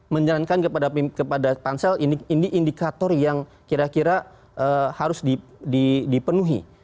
menyarankan kepada pansel ini indikator yang kira kira harus dipenuhi